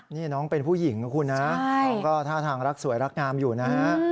นี่น้องเป็นผู้หญิงนะคุณนะน้องก็ท่าทางรักสวยรักงามอยู่นะฮะ